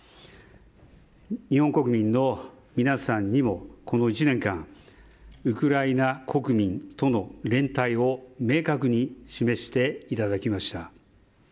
日本国民の皆さんにもこの１年間ウクライナ国民との連帯を明確に示していただきました。